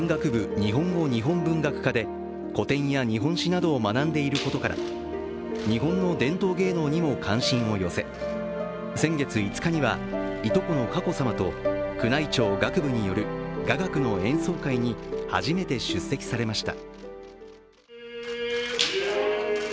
日本語日本文学科で古典や日本史などを学んでいることから日本の伝統芸能にも関心を寄せ、先月５日には、いとこの佳子さまと宮内庁楽部による雅楽の演奏会に初めて出席されました。